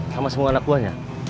sama semua anak buahnya